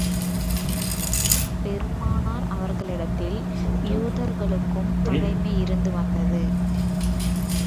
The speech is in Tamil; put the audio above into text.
பெருமானார் அவர்களிடத்தில், யூதர்களுக்கும் பகைமை இருந்து வந்தது.